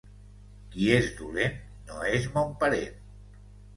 Qui és dolent, no és mon parent.